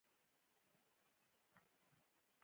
د اېډوارډو ګیواني تر مستعار نامه لاندې یې سندرې ویلې.